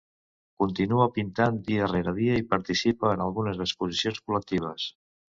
Continua pintant dia rere dia i participa en algunes exposicions col·lectives.